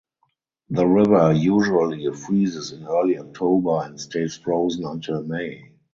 The river usually freezes in early October and stays frozen until May.